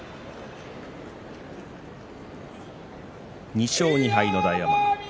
２勝２敗の大奄美。